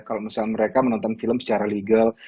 kalau misalnya mereka menonton film secara legal